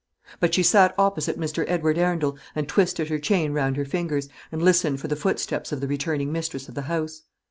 But she sat opposite Mr. Edward Arundel, and twisted her chain round her fingers, and listened for the footsteps of the returning mistress of the house.